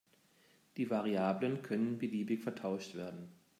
Die Variablen können beliebig vertauscht werden.